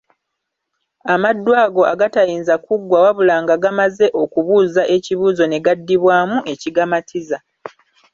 Amaddu ago agatayinza kuggwa wabula nga gamaze okubuuza ekibuuzo ne gaddibwamu ekigamatiza.